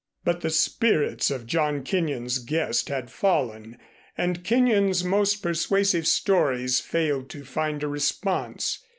But the spirits of John Kenyon's guest had fallen, and Kenyon's most persuasive stories failed to find a response.